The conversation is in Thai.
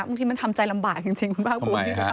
บางทีมันทำใจลำบากจริงคุณภาคภูมิ